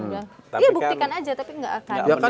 ya buktikan aja tapi nggak akan